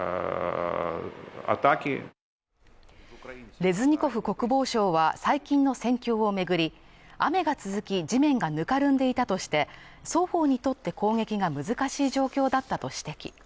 レズニコフ国防相は最近の戦況をめぐり雨が続き地面がぬかるんでいたとして双方にとって攻撃が難しい状況だったと指摘